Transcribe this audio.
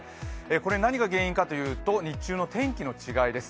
これ何が原因かというと日中の天気の違いです。